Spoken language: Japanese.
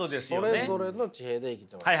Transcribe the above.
「それぞれの地平で生きてます」。